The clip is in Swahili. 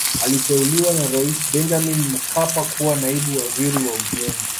Aliteuliwa na Rais Benjamin Mkapa kuwa Naibu Waziri wa Ujenzi